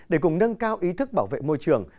để cùng nâng cao ý thức bảo vệ môi trường